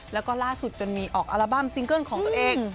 แล้วก็ล่าสุดจนมีออกอัลบั้มซิงเกิ้ลของตัวเอง